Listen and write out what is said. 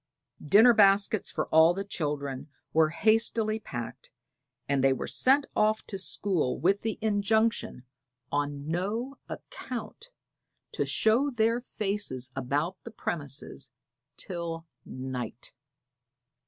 Dinner baskets for all the children were hastily packed, and they were sent off to school with the injunction on no account to show their faces about the premises till night.